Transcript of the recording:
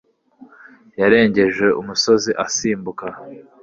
yarengeje umusozi asimbuka